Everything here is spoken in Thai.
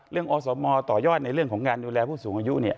อสมต่อยอดในเรื่องของการดูแลผู้สูงอายุ